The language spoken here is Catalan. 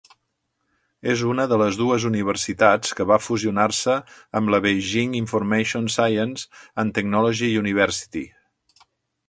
És una de les dues universitats que va fusionar-se amb la Beijing Information Science and Technology University.